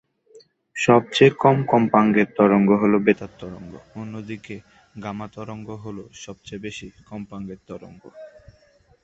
সবচেয়ে কম কম্পাঙ্কের তরঙ্গ হল বেতার তরঙ্গ, অন্যদিকে গামা তরঙ্গ হল সবচেয়ে বেশি কম্পাঙ্কের তরঙ্গ।